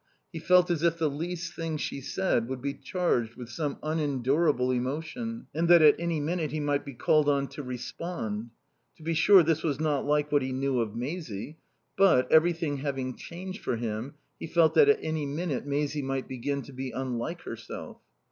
He felt as if the least thing she said would be charged with some unendurable emotion and that at any minute he might be called on to respond. To be sure this was not like what he knew of Maisie; but, everything having changed for him, he felt that at any minute Maisie might begin to be unlike herself.